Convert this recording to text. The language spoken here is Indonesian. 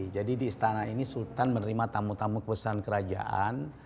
jadi di istana ini sultan menerima tamu tamu kebesaran kerajaan